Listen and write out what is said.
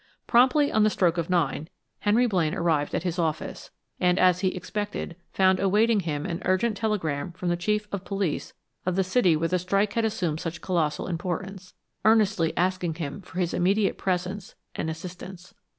Promptly on the stroke of nine, Henry Blaine arrived at his office, and as he expected, found awaiting him an urgent telegram from the chief of police of the city where the strike had assumed such colossal importance, earnestly asking him for his immediate presence and assistance.